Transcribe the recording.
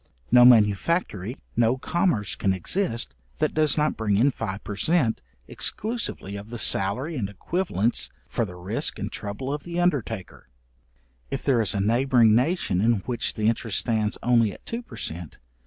No manufactory, no commerce can exist, that does not bring in five per cent. exclusively of the salary and equivalents for the risque and trouble of the undertaker. If there is a neighbouring nation in which the interest stands only at two per cent.